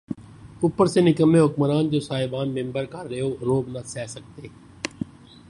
اوپر سے نکمّے حکمران‘ جو صاحبان منبر کا رعب نہ سہہ سکتے۔